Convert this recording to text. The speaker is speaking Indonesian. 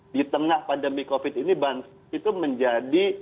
di tengah pandemi covid ini bansos itu menjadi